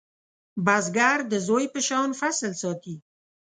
بزګر د زوی په شان فصل ساتي